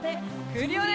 クリオネ！